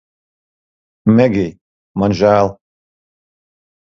Megij, man žēl